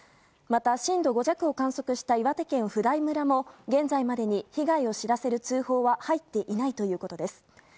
また、震度５弱を観測した岩手県普代村も現在までに被害を知らせる通報は入っていないということです。